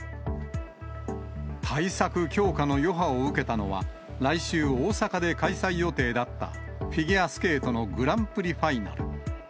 対策強化の余波を受けたのは、来週大阪で開催予定だったフィギュアスケートのグランプリファイナル。